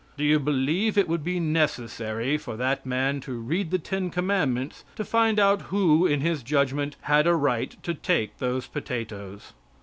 Do you believe it would be necessary for that man to read the ten commandments to find out who, in his judgment had a right to take those potatoes?